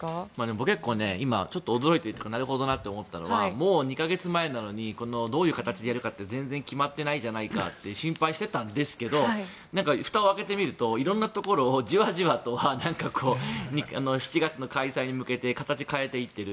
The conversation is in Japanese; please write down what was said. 僕、結構驚いてなるほどなと思ったのはもう２か月前なのにどういう形でやるか全然決まっていないじゃないかと心配していたんですがふたを開けてみるといろんなところをじわじわと７月の開催に向けて形を変えていっている。